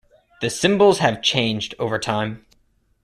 The symbols have changed over time.